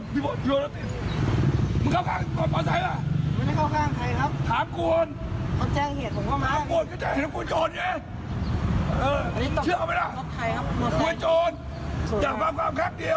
ปิดได้ไงกว่าบางคนบางคนเลยชี้เลย